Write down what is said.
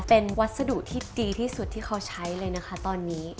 เป็นวัสดุที่ดีที่สุดที่เขาใช้เลยนะคะตอนนี้